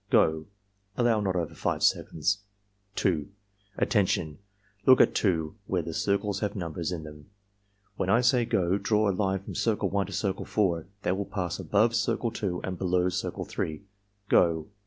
— Go!" (Allow not over 5 seconds.) 2. "Attention! Look at 2, where the circles have numbers in them. When I say 'go' draw a line from Circle 1 to Circle 4 that will pass above Circle 2 and below Circle 3. — Go!"